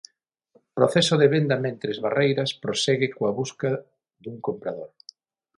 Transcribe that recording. Proceso de venda Mentres, Barreiras prosegue coa busca dun comprador.